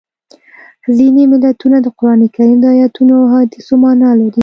ځینې متلونه د قرانکریم د ایتونو او احادیثو مانا لري